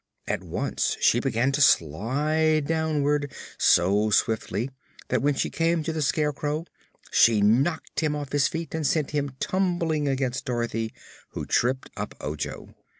At once she began to slide downward, so swiftly that when she came to the Scarecrow she knocked him off his feet and sent him tumbling against Dorothy, who tripped up Ojo.